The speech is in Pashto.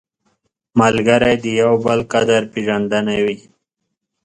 ملګری د یو بل قدر پېژندنه وي